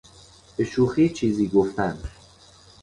به شوخی چیزی گفتن